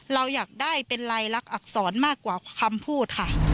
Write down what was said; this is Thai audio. เราอยากได้เป็นลายลักษณอักษรมากกว่าคำพูดค่ะ